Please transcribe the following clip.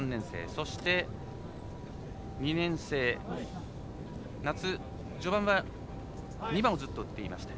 そして、２年生夏、序盤は２番をずっと打っていました。